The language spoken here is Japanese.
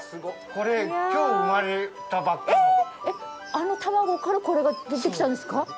あの卵からこれが出て来たんですか？